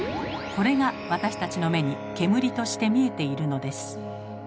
これが私たちの目に煙として見えているのです。